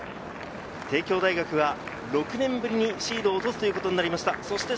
帝京大学は６年ぶりにシードを落とすことになりました。